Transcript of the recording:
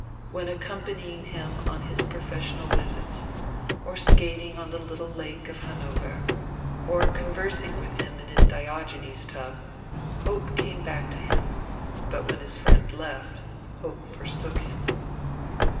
When accompanying him on his professional visits, or skating on the little Lake of Hanover, or conversing with him in his Diogenes tub, hope came back to him; but when his friend left, hope forsook him.